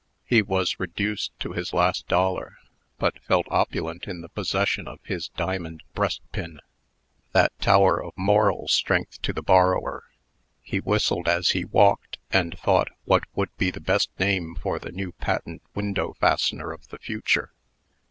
He was reduced to his last dollar, but felt opulent in the possession of his diamond breastpin that tower of moral strength to the borrower. He whistled as he walked, and thought what would be the best name for the new patent window fastener of the future.